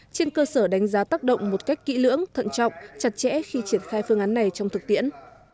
trên cơ sở đánh giá tác động một cách kỹ lưỡng thận trọng chặt chẽ khi triển khai phương án này trong thực tiễn